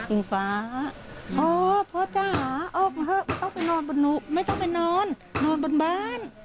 อิงฟ้าอ๋อพ่อจ๋าออกมาเถอะต้องไปนอนบนหนูไม่ต้องไปนอนนอนบนบ้าน